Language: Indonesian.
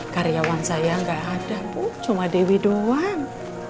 karyawan saya enggak ada bu cuma dewi doang